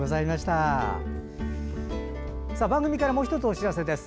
番組からもう１つお知らせです。